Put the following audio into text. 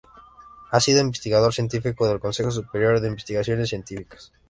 Ha sido investigador científico del Consejo Superior de Investigaciones Científicas.